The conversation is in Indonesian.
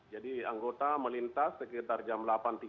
jadi anggota melintas sekitar jam delapan tiga puluh